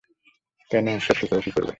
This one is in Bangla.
কেন, এসব শিখে ও কী করবে?